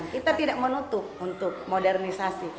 kita tidak menutup untuk modernisasi